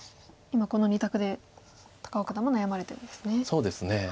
今この２択で高尾九段も悩まれてるんですね。